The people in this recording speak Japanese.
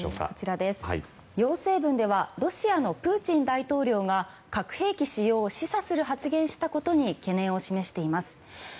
要請文ではロシアのプーチン大統領が核兵器使用を示唆する発言をしたことに懸念をしています。